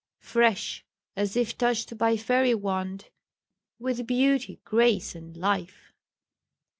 Fresh, as if touched by fairy wand, With beauty, grace, and life.